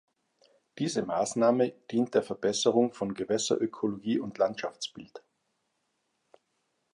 Diese Maßnahme dient der Verbesserung von Gewässerökologie und Landschaftsbild.